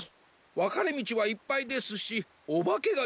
わかれみちはいっぱいですしおばけがでるといううわさも。